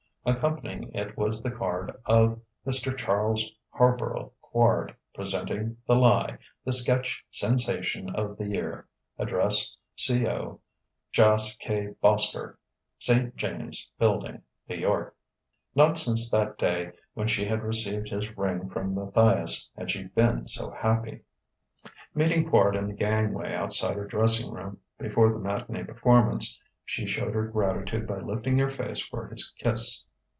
Accompanying it was the card of "_Mr. Charles Harborough Quard, Presenting 'The Lie,' the Sketch Sensation of the Year, Address c/o Jas. K. Boskerk, St. James Building, N.Y._" Not since that day when she had received his ring from Matthias had she been so happy. Meeting Quard in the gangway outside her dressing room, before the matinée performance, she showed her gratitude by lifting her face for his kiss.